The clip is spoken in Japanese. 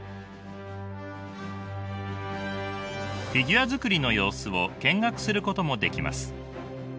フィギュア作りの様子を見学することもできます。